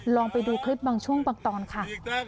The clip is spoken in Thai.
ลองไปดูคลิปบางช่วงบางตอนค่ะ